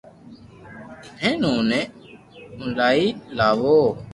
ھين اوني اونلائي لاوو